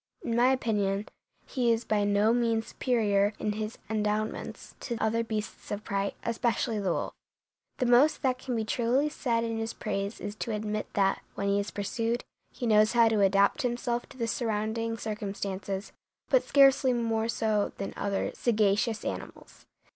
In my opinion he is by no means superior in his endowments to other beasts of prey, especially the wolf. The most that can be truly said in his praise is to admit that, when he is pursued, he knows how to adapt himself to the surrounding circumstances, but scarcely more so than other sagacious animals.